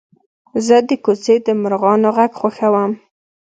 زه د کوڅې د مرغانو غږ خوښوم.